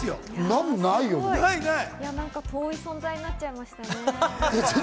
ない遠い存在になっちゃいました